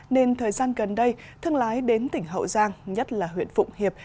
nên thời gian gần đây thương lái đến tỉnh hậu giang nhất là huyện phụng hiệp